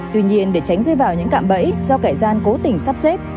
tuy nhiên để tránh rơi vào những cạm bẫy do kẻ gian cố tình sắp xếp